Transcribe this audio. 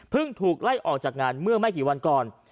ถูกไล่ออกจากงานเมื่อไม่กี่วันก่อน